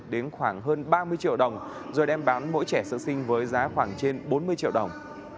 đến khoảng hơn ba mươi triệu đồng rồi đem bán mỗi trẻ sơ sinh với giá khoảng trên bốn mươi triệu đồng